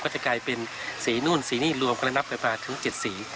ก็จะกลายเป็นสีนู่นสีนี่รวมกันแล้วนับไปมาถึงเจ็ดสี